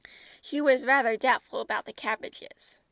She was rather doubtful about the cabbages.